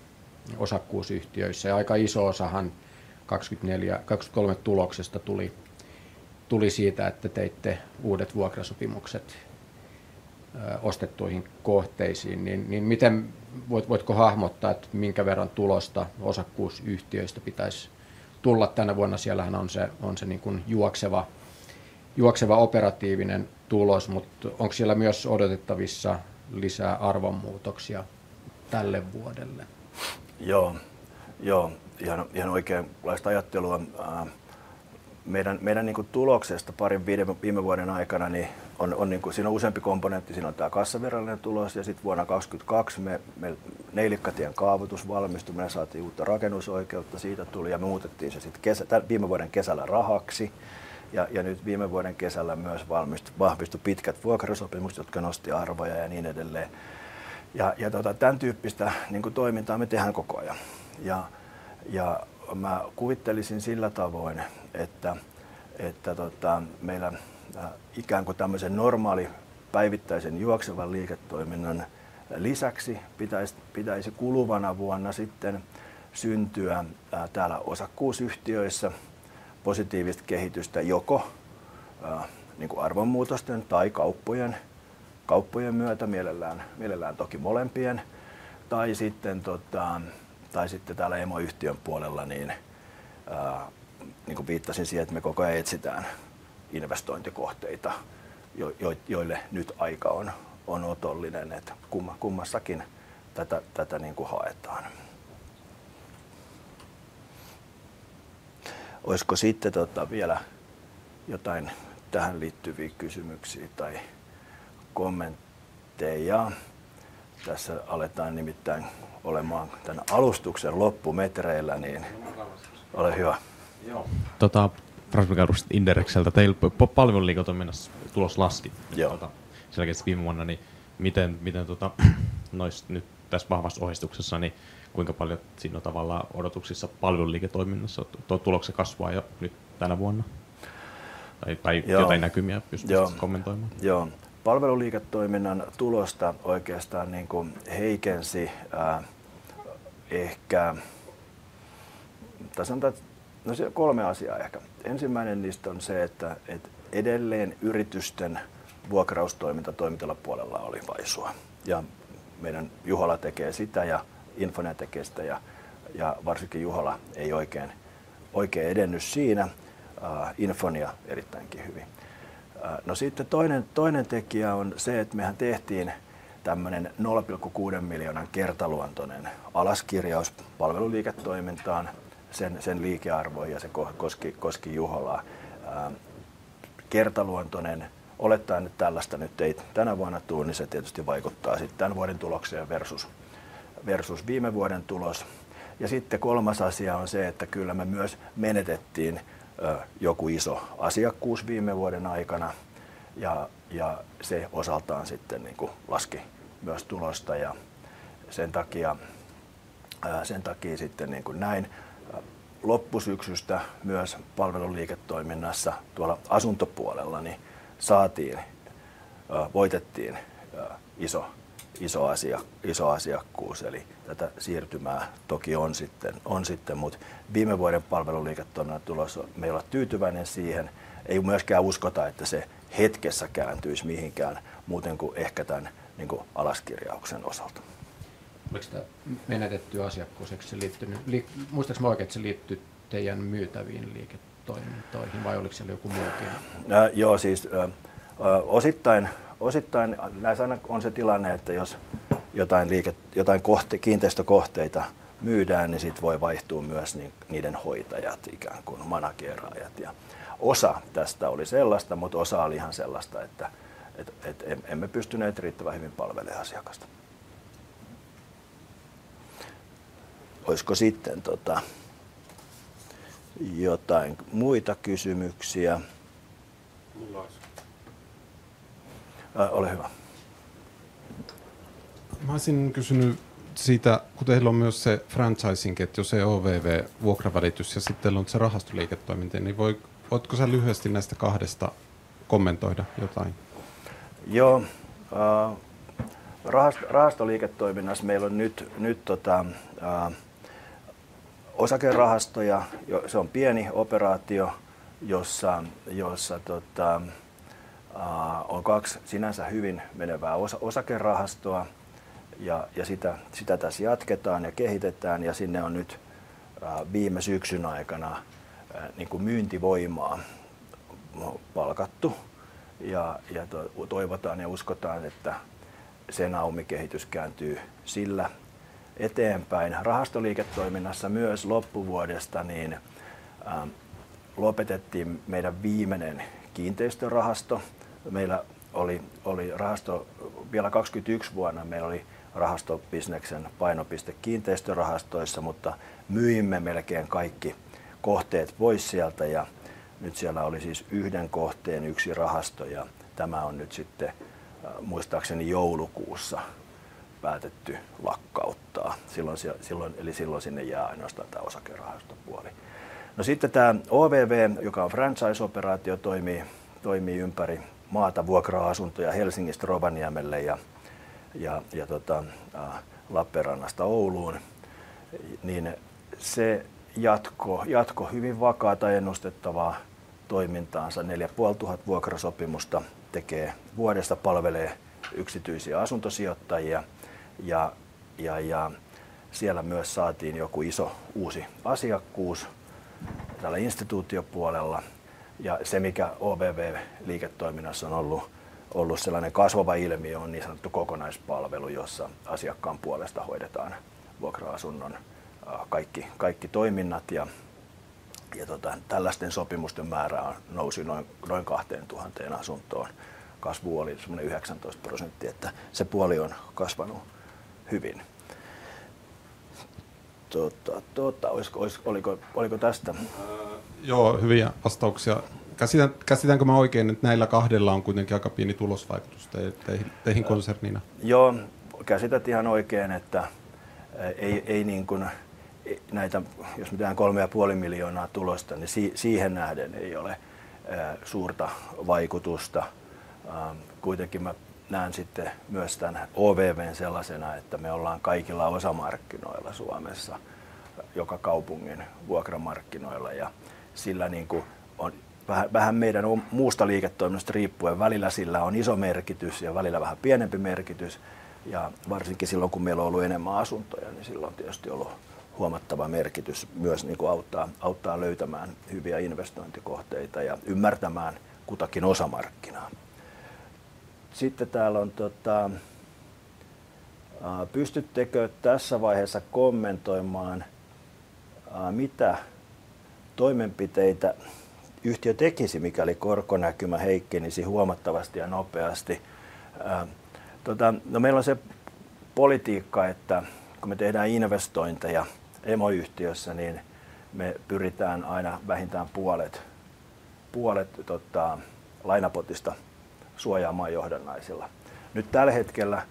osakkuusyhtiöissä. Aika iso osa 2023 tuloksesta tuli siitä, että teitte uudet vuokrasopimukset ostettuihin kohteisiin. Miten voit hahmottaa, että minkä verran tulosta osakkuusyhtiöistä pitäisi tulla tänä vuonna? Siellä on se juokseva operatiivinen tulos, mutta onko siellä myös odotettavissa lisää arvonmuutoksia tälle vuodelle? Ihan oikeanlaista ajattelua. Meidän tuloksesta parin viime vuoden aikana siinä on useampi komponentti. Siinä on tämä kassavirallinen tulos. Sitten vuonna 2022 Neilikkatien kaavoitus valmistui. Meillä saatiin uutta rakennusoikeutta. Siitä tuli. Me muutettiin se sitten viime vuoden kesällä rahaksi. Ja nyt viime vuoden kesällä myös vahvistui pitkät vuokrasopimukset, jotka nosti arvoja ja niin edelleen. Tämän tyyppistä toimintaa me tehdään koko ajan. Mä kuvittelisin sillä tavoin, että meillä ikään kuin tämän normaalin päivittäisen juoksevan liiketoiminnan lisäksi pitäisi kuluvana vuonna sitten syntyä täällä osakkuusyhtiöissä positiivista kehitystä joko arvonmuutosten tai kauppojen myötä. Mielellään toki molempien. Tai sitten täällä emoyhtiön puolella, niin viittasin siihen, että me koko ajan etsitään investointikohteita, joille nyt aika on otollinen. Kummassakin tätä haetaan. Olisiko sitten vielä jotain tähän liittyviä kysymyksiä tai kommentteja? Tässä aletaan nimittäin olemaan tämän alustuksen loppumetreillä. Ole hyvä. Joo Frans Mikalu Inderexiltä. Teillä palveluliiketoiminnassa tulos laski selkeästi viime vuonna. Miten noissa nyt tässä vahvassa ohjeistuksessa, kuinka paljon siinä on tavallaan odotuksissa palveluliiketoiminnassa? Tuo tulokset kasvaa jo nyt tänä vuonna? Tai jotain näkymiä pystyt kommentoimaan? Joo. Palveluliiketoiminnan tulosta oikeastaan heikkensi ehkä, tai sanotaan, että siellä kolme asiaa ehkä. Ensimmäinen niistä on se, että edelleen yritysten vuokraustoiminta toimitilapuolella oli vaisua. Meidän Juhola tekee sitä ja Infonia tekee sitä. Varsinkin Juhola ei oikein edennyt siinä. Infonia erittäin hyvin. Sitten toinen tekijä on se, että me tehtiin tämmöinen €0,6 miljoonan kertaluontoinen alaskirjaus palveluliiketoimintaan sen liikearvoihin. Se koski Juholaa. Kertaluontoinen. Olettaen, että tällaista nyt ei tänä vuonna tule, niin se tietysti vaikuttaa sitten tämän vuoden tulokseen versus viime vuoden tulos. Sitten kolmas asia on se, että kyllä me myös menetettiin joku iso asiakkuus viime vuoden aikana. Se osaltaan sitten laski myös tulosta. Sen takia sitten loppusyksystä myös palveluliiketoiminnassa tuolla asuntopuolella niin saatiin, voitettiin iso asiakkuus. Tätä siirtymää toki on sitten, mutta viime vuoden palveluliiketoiminnan tulos on, me ei olla tyytyväinen siihen. Ei myöskään uskota, että se hetkessä kääntyisi mihinkään muuten kuin ehkä tämän alaskirjauksen osalta. Oliko tämä menetetty asiakkuus? Muistanko mä oikein, että se liittyi teidän myytäviin liiketoimintoihin vai oliko siellä joku muukin? Joo, siis osittain näissä aina on se tilanne, että jos jotain kiinteistökohteita myydään, niin sitten voi vaihtua myös niiden hoitajat, ikään kuin managerit. Osa tästä oli sellaista, mutta osa oli ihan sellaista, että emme pystyneet riittävän hyvin palvelemaan asiakasta. Olisiko sitten jotain muita kysymyksiä? Mulla olisi. Ole hyvä. Mä olisin kysynyt siitä, kun teillä on myös se franchising, että jos ei OVV-vuokravälitys ja sitten teillä on se rahastoliiketoiminta, niin voitko sä lyhyesti näistä kahdesta kommentoida jotain? Joo. Rahastoliiketoiminnassa meillä on nyt osakerahastoja. Se on pieni operaatio, jossa on kaksi sinänsä hyvin menevää osakerahastoa. Sitä tässä jatketaan ja kehitetään. Sinne on nyt viime syksyn aikana myyntivoimaa palkattu. Ja, toivotaan ja uskotaan, että se laumikehitys kääntyy siellä eteenpäin. Rahastoliiketoiminnassa myös loppuvuodesta lopetettiin meidän viimeinen kiinteistörahasto. Meillä oli vielä 2021 vuonna rahastobisneksen painopiste kiinteistörahastoissa, mutta myimme melkein kaikki kohteet pois sieltä. Nyt siellä oli siis yhden kohteen yksi rahasto. Tämä on nyt sitten muistaakseni joulukuussa päätetty lakkauttaa. Silloin sinne jää ainoastaan tämä osakerahastopuoli. Sitten tämä OVV, joka on franchise-operaatio, toimii ympäri maata. Vuokraa asuntoja Helsingistä Rovaniemelle ja Lappeenrannasta Ouluun. Se jatkoi hyvin vakaata ja ennustettavaa toimintaansa. 4,500 vuokrasopimusta tekee vuodessa. Palvelee yksityisiä asuntosijoittajia. Siellä myös saatiin joku iso uusi asiakkuus täällä instituutiopuolella. Se, mikä OVV-liiketoiminnassa on ollut sellainen kasvava ilmiö, on niin sanottu kokonaispalvelu, jossa asiakkaan puolesta hoidetaan vuokra-asunnon kaikki toiminnat. Tällaisten sopimusten määrä nousi noin 2,000 asuntoon. Kasvu oli semmoinen 19%, että se puoli on kasvanut hyvin. Oliko tästä? Joo, hyviä vastauksia. Käsitänkö mä oikein, että näillä kahdella on kuitenkin aika pieni tulosvaikutus teihin konserniina? Joo, käsität ihan oikein, että ei niin kun näitä, jos me tehdään €3,5 miljoonaa tulosta, niin siihen nähden ei ole suurta vaikutusta. Kuitenkin mä näen sitten myös tämän OVV:n sellaisena, että me ollaan kaikilla osamarkkinoilla Suomessa, joka kaupungin vuokramarkkinoilla. Ja sillä on vähän meidän muusta liiketoiminnasta riippuen välillä sillä on iso merkitys ja välillä vähän pienempi merkitys. Ja varsinkin silloin, kun meillä on ollut enemmän asuntoja, niin sillä on tietysti ollut huomattava merkitys myös auttaa löytämään hyviä investointikohteita ja ymmärtämään kutakin osamarkkinaa. Sitten täällä on, pystyttekö tässä vaiheessa kommentoimaan, mitä toimenpiteitä yhtiö tekisi, mikäli korkonäkymä heikkenisi huomattavasti ja nopeasti? Meillä on se politiikka, että kun me tehdään investointeja emoyhtiössä, niin me pyritään aina vähintään puolet lainapotista suojaamaan johdannaisilla. Nyt tällä hetkellä,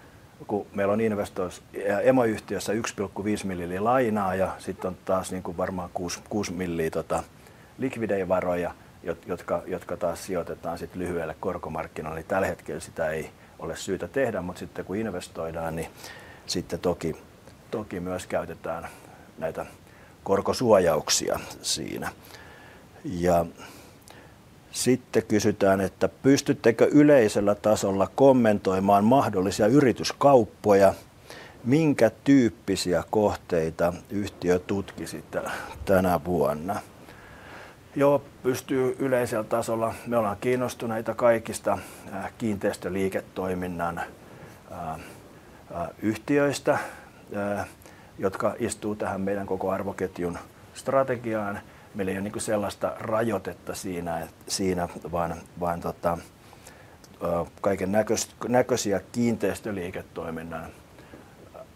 kun meillä on emoyhtiössä €1,5 miljoonaa lainaa ja sitten on taas varmaan €6 miljoonaa likvidejä varoja, jotka sijoitetaan sitten lyhyelle korkomarkkinalle, niin tällä hetkellä sitä ei ole syytä tehdä. Mutta sitten kun investoidaan, niin sitten myös käytetään näitä korkosuojauksia siinä. Ja sitten kysytään, että pystyttekö yleisellä tasolla kommentoimaan mahdollisia yrityskauppoja? Minkä tyyppisiä kohteita yhtiö tutkisitte tänä vuonna? Pystyy yleisellä tasolla. Me ollaan kiinnostuneita kaikista kiinteistöliiketoiminnan yhtiöistä, jotka istuu tähän meidän koko arvoketjun strategiaan. Meillä ei ole sellaista rajoitetta siinä, vaan kaikennäköisiä kiinteistöliiketoiminnan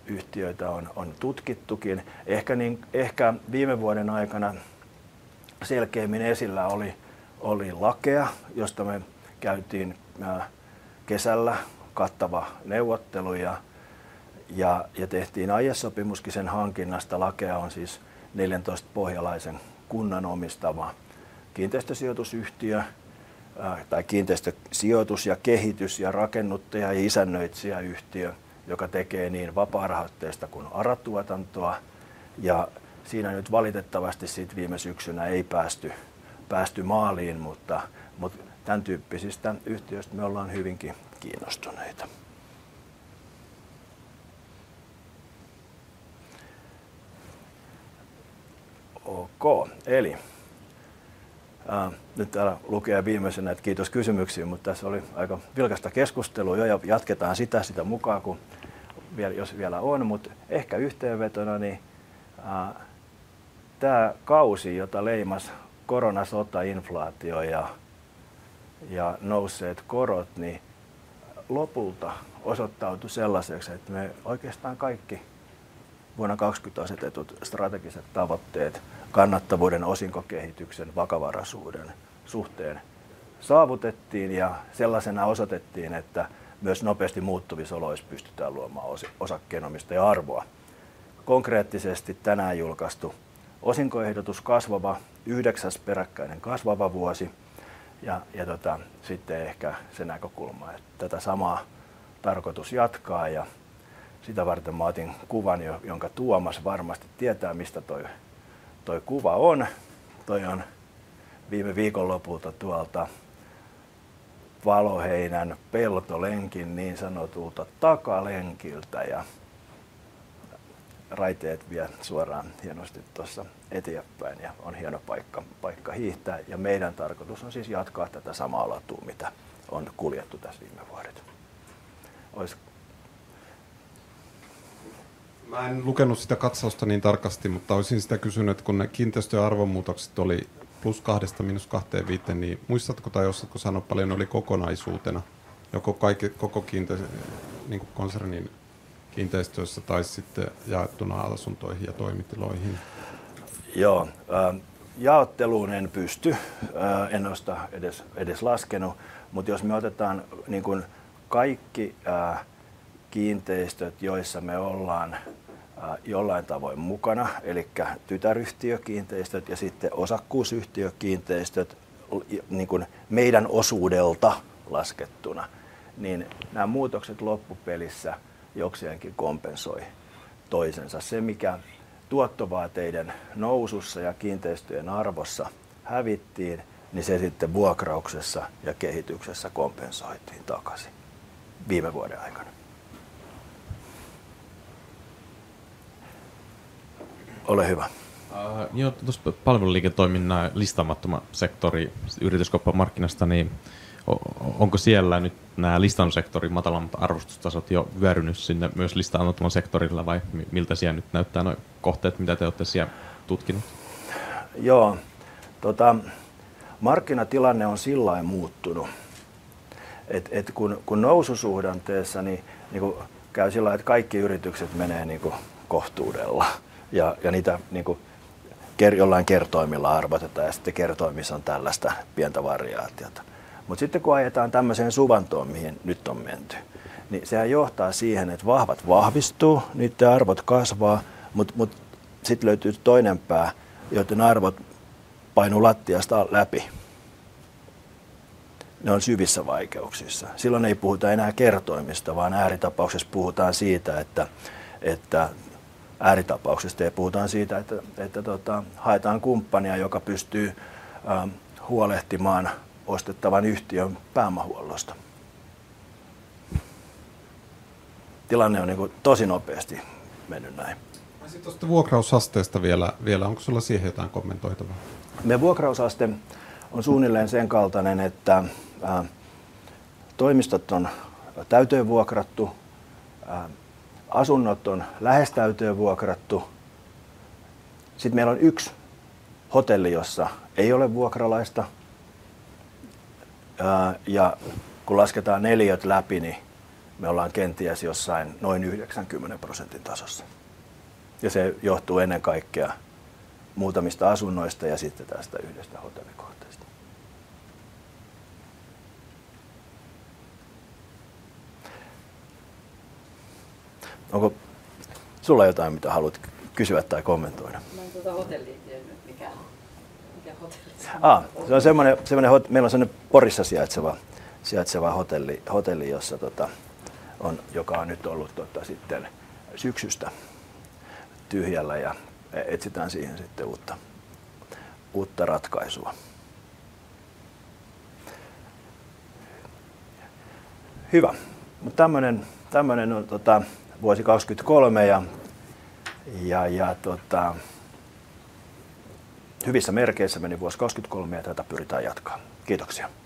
yhtiöitä on tutkittukin. Ehkä viime vuoden aikana selkeimmin esillä oli Lakea, josta me käytiin kesällä kattava neuvottelu ja tehtiin aiesopimus sen hankinnasta. Lakea on siis 14 pohjalaisen kunnan omistama kiinteistösijoitusyhtiö. Tai kiinteistösijoitus ja kehitys ja rakennuttaja ja isännöitsijäyhtiö, joka tekee niin vapaarahoitteista kuin ARA-tuotantoa. Siinä valitettavasti viime syksynä ei päästy maaliin. Mutta tämän tyyppisistä yhtiöistä me ollaan hyvinkin kiinnostuneita. Okei. Eli nyt täällä lukee viimeisenä, että kiitos kysymyksiin. Mutta tässä oli aika vilkasta keskustelua. Joo, ja jatketaan sitä sitä mukaa, kun vielä jos vielä on. Mutta ehkä yhteenvetona, niin tämä kausi, jota leimasi korona, sota, inflaatio ja nousseet korot, lopulta osoittautui sellaiseksi, että me oikeastaan kaikki vuonna 2020 asetetut strategiset tavoitteet kannattavuuden, osinkokehityksen, vakavaraisuuden suhteen saavutettiin. Sellaisena osoitettiin, että myös nopeasti muuttuvissa oloissa pystytään luomaan osakkeenomistaja-arvoa. Konkreettisesti tänään julkaistu osinkoehdotus kasvava. Yhdeksäs peräkkäinen kasvava vuosi. Sitten ehkä se näkökulma, että tätä samaa tarkoitus jatkaa. Sitä varten mä otin kuvan, jonka Tuomas varmasti tietää, mistä toi kuva on. Toi on viime viikonlopulta tuolta Valoheinän peltolenkin niin sanotulta takalenkiltä. Ja raiteet vie suoraan hienosti tuossa eteenpäin. Ja on hieno paikka hiihtää. Ja meidän tarkoitus on siis jatkaa tätä samaa latua, mitä on kuljettu tässä viime vuodet. Olisiko? Mä en lukenut sitä katsausta niin tarkasti, mutta olisin sitä kysynyt, että kun ne kiinteistöjen arvonmuutokset oli plus kahdesta miinus kahteen viiteen, niin muistatko tai osaatko sanoa, paljon ne oli kokonaisuutena? Joko koko konsernin kiinteistöissä tai sitten jaettuna asuntoihin ja toimitiloihin? Joo. Jaotteluun en pysty. En ole sitä edes laskenut. Mutta jos me otetaan kaikki kiinteistöt, joissa me ollaan jollain tavoin mukana, eli tytäryhtiökiinteistöt ja sitten osakkuusyhtiökiinteistöt meidän osuudelta laskettuna, niin nämä muutokset loppupelissä jokseenkin kompensoi toisensa. Se, mikä tuottovaateiden nousussa ja kiinteistöjen arvossa hävittiin, niin se sitten vuokrauksessa ja kehityksessä kompensoitiin takaisin viime vuoden aikana. Ole hyvä. Joo, tuossa palveluliiketoiminnan listaamattoman sektorin yrityskauppamarkkinasta, niin onko siellä nyt nämä listaamattoman sektorin matalammat arvostustasot jo vyöryneet sinne myös listaamattomalle sektorille vai miltä siellä nyt näyttää nuo kohteet, mitä te olette siellä tutkineet? Joo, markkinatilanne on sillä tavalla muuttunut, että kun noususuhdanteessa niin käy sillä tavalla, että kaikki yritykset menee kohtuudella. Ja niitä jollain kertoimilla arvotetaan. Ja sitten kertoimissa on tällaista pientä variaatiota. Mutta sitten kun ajetaan tämmöiseen suvantoon, mihin nyt on menty, niin se johtaa siihen, että vahvat vahvistuu. Niiden arvot kasvaa. Mutta sitten löytyy toinen pää, joiden arvot painuu lattiasta läpi. Ne on syvissä vaikeuksissa. Silloin ei puhuta enää kertoimista, vaan ääritapauksessa puhutaan siitä, että haetaan kumppania, joka pystyy huolehtimaan ostettavan yhtiön pääomahuollosta. Tilanne on todella nopeasti mennyt näin. Sitten tuosta vuokrausasteesta vielä. Onko sulla siihen jotain kommentoitavaa? Meidän vuokrausaste on suunnilleen sen kaltainen, että toimistot on täyteen vuokrattu. Asunnot on lähes täyteen vuokrattu. Sitten meillä on yksi hotelli, jossa ei ole vuokralaista. Ja kun lasketaan neliöt läpi, niin me ollaan kenties jossain noin 90% tasossa. Se johtuu ennen kaikkea muutamista asunnoista ja sitten tästä yhdestä hotellikohteesta. Onko sulla jotain, mitä haluat kysyä tai kommentoida? Mä en hotellia tiennyt, että mikä hotelli se on. Se on semmoinen, meillä on semmoinen Porissa sijaitseva hotelli, jossa on. Joka on nyt ollut sitten syksystä tyhjällä. Etsitään siihen sitten uutta ratkaisua. Hyvä. Mutta tämmöinen on vuosi 2023. Hyvissä merkeissä meni vuosi 2023 ja tätä pyritään jatkamaan. Kiitoksia.